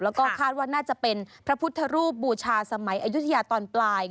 แล้วก็คาดว่าน่าจะเป็นพระพุทธรูปบูชาสมัยอายุทยาตอนปลาย